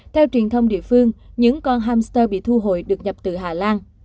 theo truyền thông địa phương những con hamster bị thu hồi được nhập từ hà lan